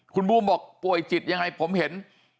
คุณบูมบอกป่วยจิตยังไงผมเห็น